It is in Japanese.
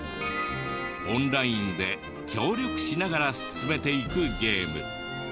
オンラインで協力しながら進めていくゲーム。